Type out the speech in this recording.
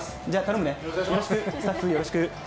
スタッフ、よろしく。